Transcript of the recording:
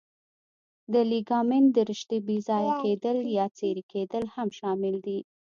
د لیګامنت د رشتې بې ځایه کېدل یا څیرې کېدل هم شامل دي.